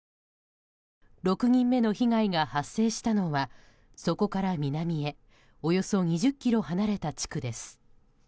６人目の被害が発生したのはそこから南へおよそ２０ｋｍ離れた地区です。